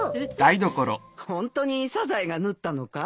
ホントにサザエが縫ったのかい？